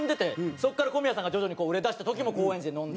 そこから小宮さんが徐々にこう売れ出した時も高円寺で飲んで。